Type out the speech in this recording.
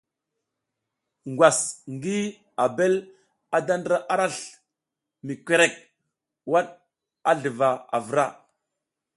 Ngwasa ngi abel a da ndra arasl mi korek, waɗ a sluvaka avura.